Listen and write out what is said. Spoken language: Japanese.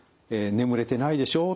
「眠れてないでしょう」